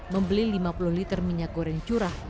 membeli lima puluh liter minyak goreng curah